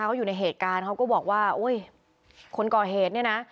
เขาอยู่ในเหตุการณ์เขาก็บอกว่าอุ้ยคนก่อเหตุเนี่ยนะ